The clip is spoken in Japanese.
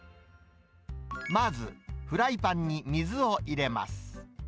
まず、フライパンに水を入れます。